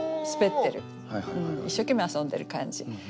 一生懸命遊んでる感じ。